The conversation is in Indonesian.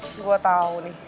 hmm gue tau nih